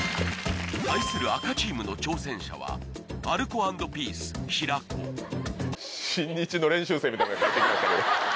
対する赤チームの挑戦者はアルコ＆ピース・平子みたいなのがやって来ましたけど。